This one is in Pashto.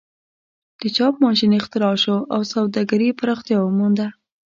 د چاپ ماشین اختراع شو او سوداګري پراختیا ومونده.